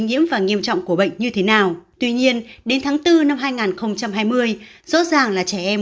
nhiễm và nghiêm trọng của bệnh như thế nào tuy nhiên đến tháng bốn năm hai nghìn hai mươi rõ ràng là trẻ em